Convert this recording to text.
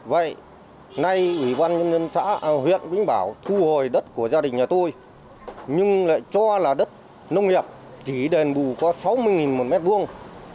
vậy nay ủy ban nhân dân xã huyện vĩnh bảo thu hồi đất của gia đình nhà tôi nhưng lại cho là đất nông nghiệp chỉ đền bù có sáu mươi một mét vuông